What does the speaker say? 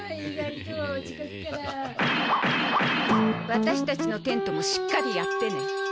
ワタシたちのテントもしっかりやってね。